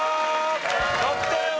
得点は？